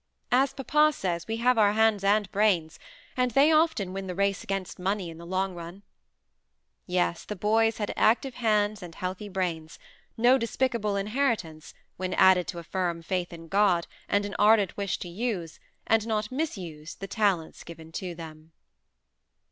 "As papa says, we have our hands and brains: and they often win the race against money in the long run." Yes. The boys had active hands and healthy brains no despicable inheritance, when added to a firm faith in God, and an ardent wish to use, and not misuse, the talents given to them.